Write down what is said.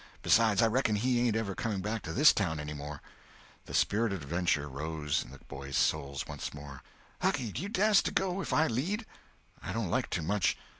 Besides, I reckon he ain't ever coming back to this town any more." The spirit of adventure rose in the boys' souls once more. "Hucky, do you das't to go if I lead?" "I don't like to, much.